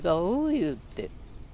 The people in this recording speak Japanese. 言うて。